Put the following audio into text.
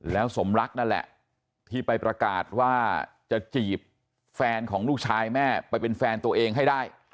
แล้วสมรักนั่นแหละที่ไปประกาศว่าจะจีบแฟนของลูกชายแม่ไปเป็นแฟนตัวเองให้ได้